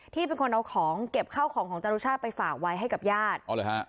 ที่เป็นคนเอาของเก็บข้าวของของจรุชาติไปฝากไว้ให้กับญาติอ๋อเหรอฮะ